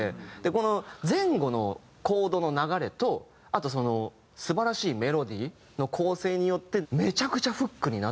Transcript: この前後のコードの流れとあと素晴らしいメロディーの構成によってめちゃくちゃフックになってるんですよ。